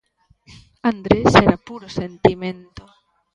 Andrés era puro sentimento.